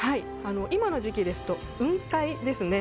今の時期ですと雲海ですね。